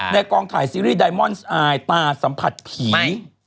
กองถ่ายซีรีส์ไดมอนซ์อายตาสัมผัสผี